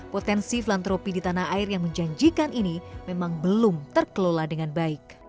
potensi filantropi di tanah air yang menjanjikan ini memang belum terkelola dengan baik